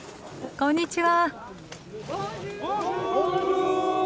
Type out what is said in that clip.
こんにちは。